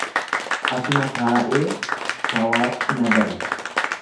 Asuma taa'ee shawaatti nagada.